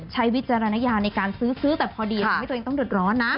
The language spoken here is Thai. ใช้วิจารณญาในการซื้อซื้อแต่พอดีไม่ต้องเดิดร้อนนะ